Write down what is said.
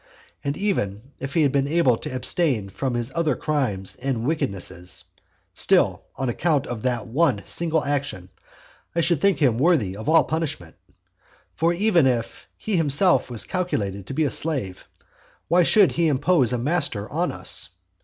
And even if he had been able to abstain from his other crimes and wickednesses, still on account of that one single action I should think him worthy of all punishment. For even if he himself was calculated to be a slave, why should he impose a master on us?